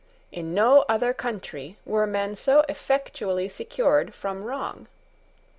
In no other country were men so effectually secured from wrong.